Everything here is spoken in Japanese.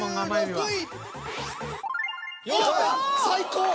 最高！